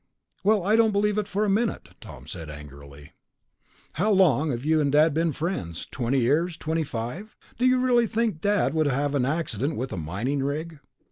"Well, I don't believe it for a minute," Tom said angrily. "How long have you and Dad been friends? Twenty years? Twenty five? Do you really think Dad would have an accident with a mining rig?"